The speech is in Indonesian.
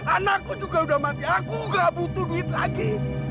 anakku juga sudah mati aku tidak butuh duit lagi